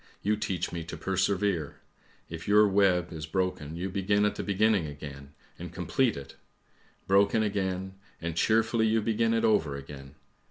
You teach me to persevere! If your web is broken, you begin at the beginning again and complete it! Broken again — and cheerfully you begin it over again.